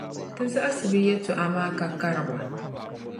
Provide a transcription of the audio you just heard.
Ti zaɣisi bɛ yɛltɔɣa maa ka kari ba.